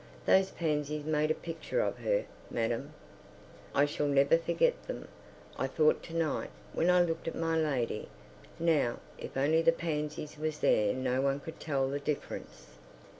Those pansies made a picture of her, madam! I shall never forget them. I thought to night, when I looked at my lady, "Now, if only the pansies was there no one could tell the difference."